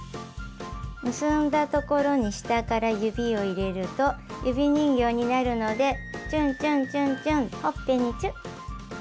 結んだ所に下から指を入れると指人形になるのでちゅんちゅんちゅんちゅんほっぺにチュ。